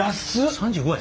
３５円！